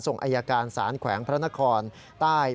ส่งอัยการศาลแขวงพระนครใต้